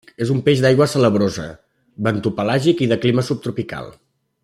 És un peix d'aigua salabrosa, bentopelàgic i de clima subtropical.